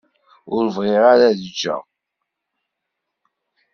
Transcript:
Ur bɣiɣ ara ad ǧǧeɣ.